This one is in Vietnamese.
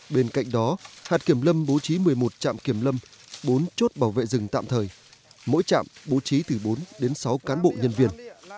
bên cạnh đó hạt kiểm lâm bố trí một mươi một trạm kiểm lâm bốn chốt bảo vệ rừng tạm thời mỗi trạm bố trí từ bốn đến sáu cán bộ nhân viên